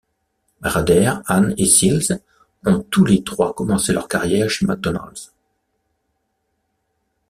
Rader, Hahne et Silz ont tous les trois commencé leur carrière chez McDonald's.